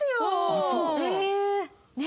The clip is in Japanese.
ああそう？